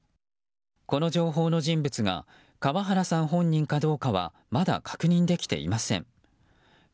この情報の人物が川原さん本人かどうかはまだ確認できていません。